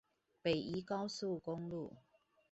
北宜高速公路